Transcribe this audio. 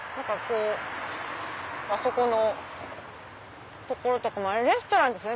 あそこの所とかもあれレストランですよね。